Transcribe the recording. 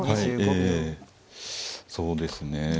ええそうですね。